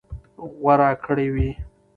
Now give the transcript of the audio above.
غوره کړى وي.